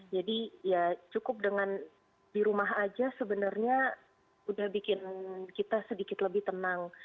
ya cukup dengan di rumah aja sebenarnya udah bikin kita sedikit lebih tenang